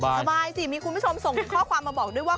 สบายสิมีคุณผู้ชมส่งข้อความมาบอกด้วยว่า